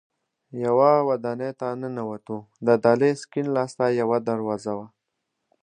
یوه ودانۍ ته ننوتو، د دهلېز کیڼ لاس ته یوه دروازه وه.